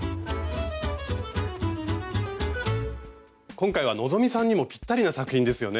今回は希さんにもぴったりな作品ですよね。